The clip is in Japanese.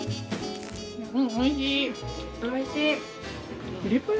おいしい。